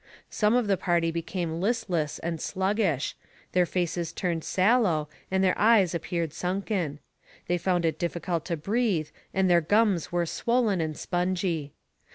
Some of the party became listless and sluggish, their faces turned sallow and their eyes appeared sunken. They found it difficult to breathe and their gums were swollen and spongy.